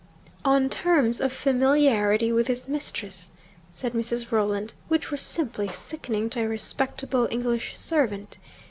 'On terms of familiarity with his mistress,' said Mrs. Rolland, 'which were simply sickening to a respectable English servant.